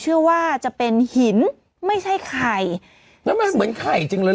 เชื่อว่าจะเป็นหินไม่ใช่ไข่แล้วมันเหมือนไข่จริงเลย